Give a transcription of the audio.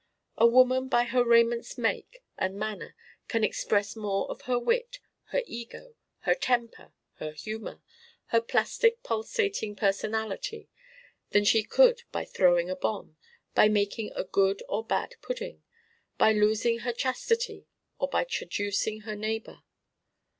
A woman by her raiment's make and manner can express more of her wit, her ego, her temper, her humor, her plastic pulsating personality than she could by throwing a bomb, by making a good or bad pudding, by losing her chastity or by traducing her neighbor.